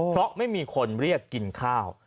เพราะไม่มีคนเรียกกินข้าว